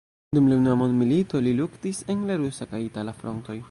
Dum la unua mondmilito li luktis en la rusa kaj itala frontoj.